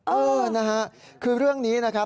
เออนะครับคือเรื่องนี้นะคะ